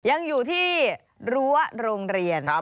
ยังอยู่ที่รั้วโรงเรียน